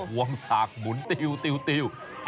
วงสากหมุนติว